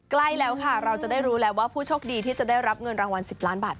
ใกล้แล้วค่ะเราจะได้รู้แล้วว่าผู้โชคดีที่จะได้รับเงินรางวัล๑๐ล้านบาท